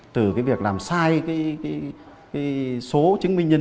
từ cái việc làm sai cái số chứng minh nhân dân